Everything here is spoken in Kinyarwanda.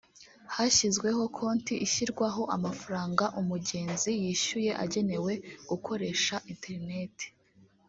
hashyizweho konti ishyirwaho amafaranga umugenzi yishyuye agenewe gukoresha interineti